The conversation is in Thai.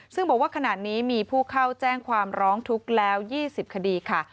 ซึ่งบอกว่าขณะนี้มีผู้เข้าแจ้งความร้องทุกข์แล้ว๒๐คดีค่ะ